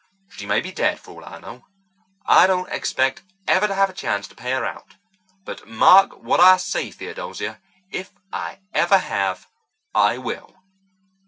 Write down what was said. She may be dead for all I know. I don't expect ever to have a chance to pay her out. But mark what I say, Theodosia, if I ever have, I will."